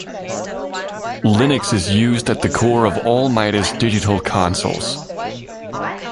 Linux is used at the core of all Midas digital consoles.